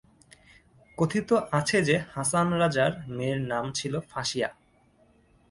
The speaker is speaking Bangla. কথিত আছে যে, হাসান রাজার মেয়ের নাম ছিল ফাঁসিয়া।